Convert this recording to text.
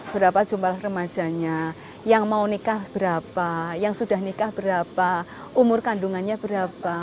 berapa jumlah remajanya yang mau nikah berapa yang sudah nikah berapa umur kandungannya berapa